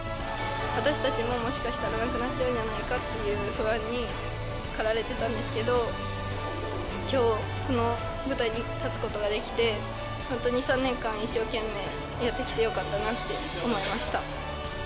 私たちも、もしかしたらなくなっちゃうんじゃないかという不安に駆られてたんですけど、きょう、この舞台に立つことができて、本当に３年間、一生懸命やってきてよかったなって思いました。